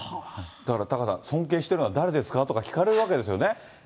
だからタカさん、尊敬しているのは誰ですかとか聞かれるわけですよね。